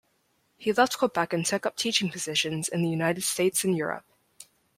He left Quebec and took up teaching positions in the United States and Europe.